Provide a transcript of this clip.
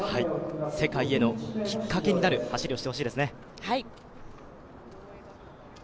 世界へのきっかけになる走りをしてほしいですね。